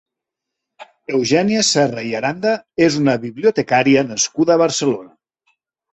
Eugènia Serra i Aranda és una bibliotecària nascuda a Barcelona.